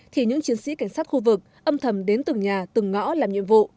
thì những chiến sĩ cảnh sát khu vực âm thầm đến từng nhà từng ngõ làm nhiệm vụ